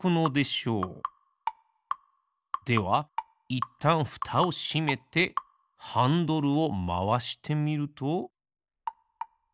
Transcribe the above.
ではいったんふたをしめてハンドルをまわしてみると。